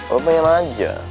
lu pengen aja